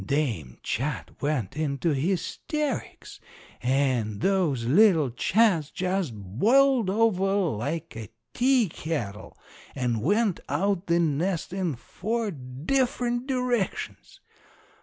Dame Chat went into hysterics and those little Chats just boiled over like a teakettle and went out the nest in four different directions!